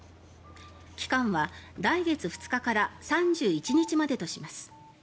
期間は来月２日から３１日までとします。